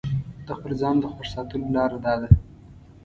د خپل ځان د خوښ ساتلو لاره داده.